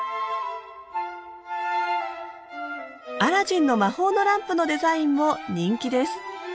アラジンの魔法のランプのデザインも人気です。